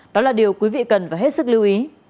đó là điều quý vị cần phải hết sức lưu ý